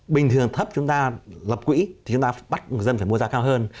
bình thường thấp chúng ta lập quỹ thì chúng ta bắt người dân phải mua giá cao hơn